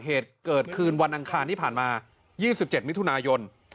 เหตุเกิดขึ้นวันอังคารที่ผ่านมา๒๗มิถุนายน